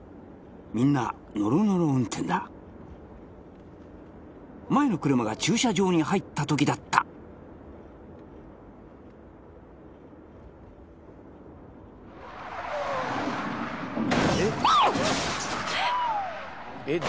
みんなノロノロ運転だ前の車が駐車場に入った時だった・Ｏｈ！